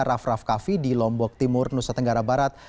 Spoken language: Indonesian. raff raff kaffi di lombok timur nusa tenggara barat